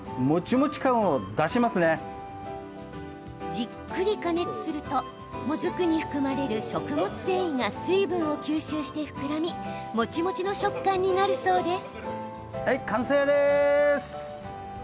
じっくり加熱するともずくに含まれる食物繊維が水分を吸収して膨らみもちもちの食感になるそうです。